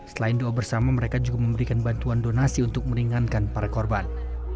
selain doa bersama mereka juga memberikan bantuan donasi untuk meringankan para korban